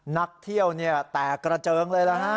นักเที่ยวแตกกระเจิงเลยนะฮะ